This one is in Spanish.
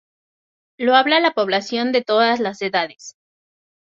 Lo habla la población de todas las edades.